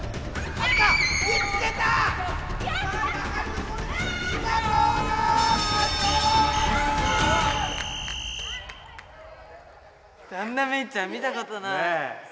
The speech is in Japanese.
あんなメイちゃん見たことない。